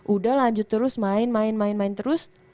udah lanjut terus main main terus